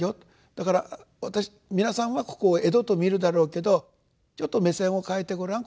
だから皆さんはここを『穢土』と見るだろうけどちょっと目線を変えてごらん。